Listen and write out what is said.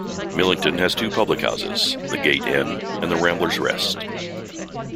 Millington has two public houses: The Gait Inn and The Ramblers Rest.